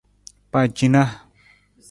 Pacinaa.